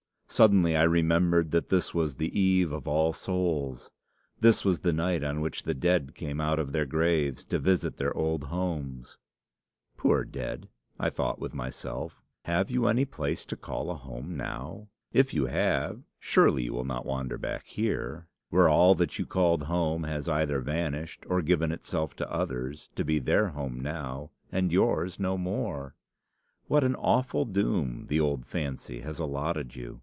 Suddenly I remembered that this was the eve of All Souls. This was the night on which the dead came out of their graves to visit their old homes. 'Poor dead!' I thought with myself; 'have you any place to call a home now? If you have, surely you will not wander back here, where all that you called home has either vanished or given itself to others, to be their home now and yours no more! What an awful doom the old fancy has allotted you!